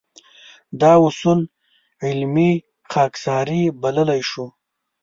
دا اصول علمي خاکساري بللی شو.